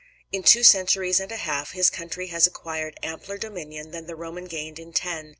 In two centuries and a half his country has acquired ampler dominion than the Roman gained in ten.